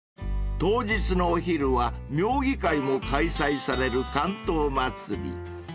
［当日のお昼は妙技会も開催される竿燈まつり］